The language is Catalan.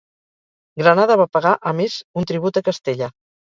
Granada va pagar a més un tribut a Castella.